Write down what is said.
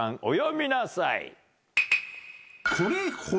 お詠みなさい。